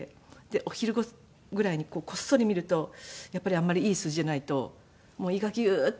お昼ぐらいにこっそり見るとやっぱりあんまりいい数字じゃないと胃がギューッて。